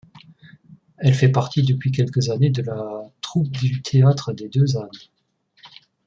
Elle fait partie depuis quelques années de la troupe du théâtre des Deux Ânes.